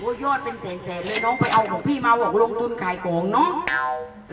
ยอดเป็นแสนแสนเลยน้องไปเอาของพี่มาบอกลงทุนขายของเนอะ